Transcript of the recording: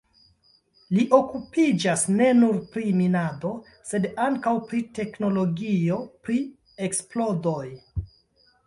Li okupiĝas ne nur pri minado, sed ankaŭ pri teknologio pri eksplodoj.